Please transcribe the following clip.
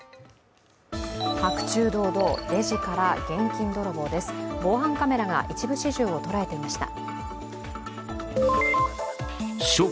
白昼堂々、レジから現金泥棒です防犯カメラが一部始終を捉えていました。